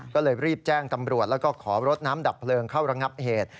ก็เลยรีบแจ้งตำรวจแล้วก็ขอรถน้ำดับเพลิงเข้าระงับเหตุ